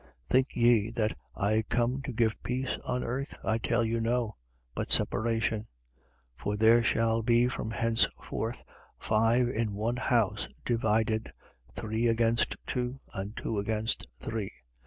12:51. Think ye, that I am come to give peace on earth? I tell you, no; but separation. 12:52. For there shall be from henceforth five in one house divided: three against two, and two against three.